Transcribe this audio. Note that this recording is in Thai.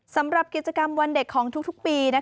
สำหรับกิจกรรมวันเด็กของทุกปี